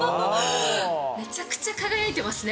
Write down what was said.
めちゃくちゃ輝いてますね。